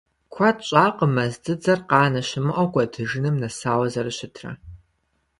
Куэд щӀакъым мэз дзыдзэр къанэ щымыӀэу кӀуэдыжыным нэсауэ зэрыщытрэ.